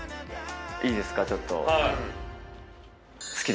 いいですかちょっと。